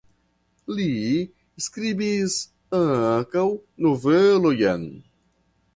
Li skribis ankaŭ novelojn.